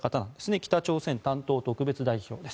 北朝鮮担当特別代表です。